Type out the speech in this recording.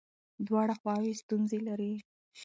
دواړه خواوې ستونزې لري.